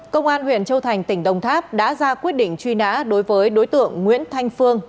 công an huyện châu thành tỉnh đồng tháp đã ra quyết định truy nã đối với đối tượng nguyễn thanh phương